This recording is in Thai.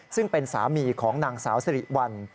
ซึ่งเป็นสามีของนางสาวสิริวัล